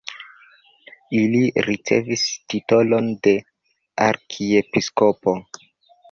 Ili ricevis titolon de arkiepiskopo.